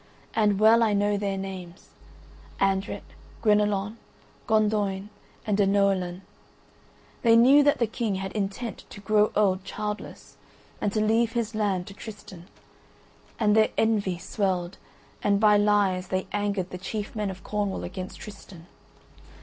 And well I know their names: Andret, Guenelon, Gondoïne and Denoalen. They knew that the King had intent to grow old childless and to leave his land to Tristan; and their envy swelled and by lies they angered the chief men of Cornwall against Tristan.